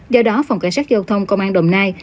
do đó phòng cảnh sát giao thông công an đồng nai